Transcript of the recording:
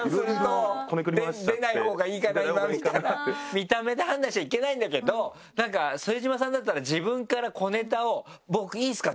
見た目で判断しちゃいけないんだけど副島さんだったら自分から小ネタを「僕いいすか？